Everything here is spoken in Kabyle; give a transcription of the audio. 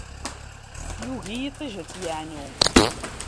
Yugi yiṭij ad tt-yeɛnu.